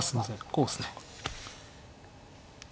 こうですね。